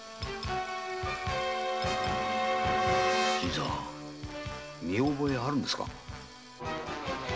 新さん見覚えあるんですか？